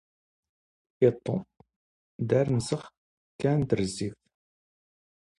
ⵉⵟⵟⵓ: ⵔⴰⴷ ⵏⵙⵖ ⴽⴰ ⵏ ⵜⵔⵣⵣⵉⴼⵜ.